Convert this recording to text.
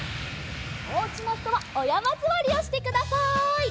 おうちのひとはおやまずわりをしてください。